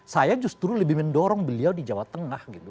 saya justru lebih mendorong beliau di jawa tengah gitu